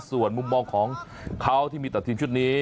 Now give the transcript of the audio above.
ส่วนมุมมองของเขาที่มีตัดทีมชุดนี้